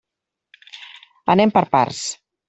Anem per parts.